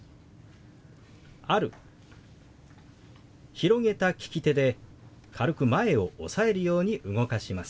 広げた利き手で軽く前を押さえるように動かします。